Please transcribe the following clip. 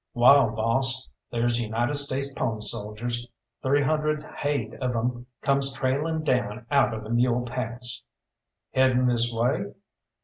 "Wall, boss, there's United States pony soldiers, three hundred haid of 'em, comes trailing down out of the Mule Pass." "Heading this way?"